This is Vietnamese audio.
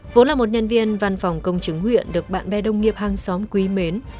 vốn là một nhân viên văn phòng công chứng huyện được bạn bè đông nghiệp hàng xóm quý mến